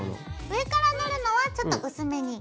上から塗るのはちょっと薄めに。